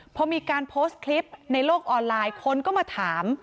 พอมีการโพสต์คลิปในโลกออนไลน์คนก็มาถาม